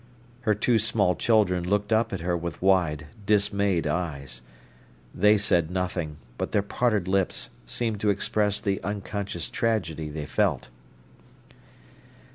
Her two small children looked up at her with wide, dismayed eyes. They said nothing, but their parted lips seemed to express the unconscious tragedy they felt.